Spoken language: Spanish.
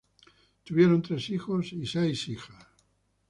Tuvieron tres hijos y seis hijas.